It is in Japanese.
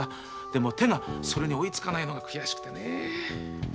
でも手がそれに追いつかないのが悔しくてね。